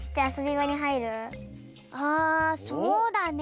あそうだね。